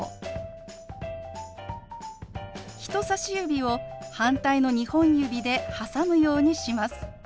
人さし指を反対の２本指で挟むようにします。